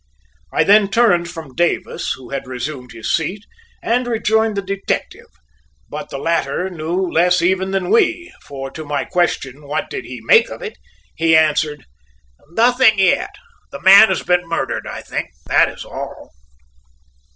I then turned from Davis, who had resumed his seat, and rejoined the detective, but the latter knew less even than we, for to my question what did he make of it? he answered "Nothing yet. The man has been murdered, I think, that is all."